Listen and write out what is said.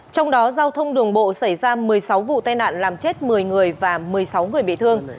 trong đó giao thông đường bộ xảy ra một mươi sáu vụ tai nạn làm chết một mươi người và một mươi sáu người bị thương